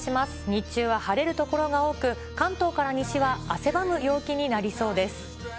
日中は晴れる所が多く、関東から西は汗ばむ陽気になりそうです。